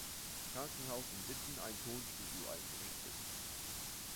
Krankenhaus in Witten ein Tonstudio eingerichtet.